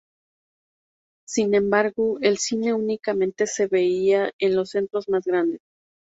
Sin embargo, el cine únicamente se veía en los centros más grandes.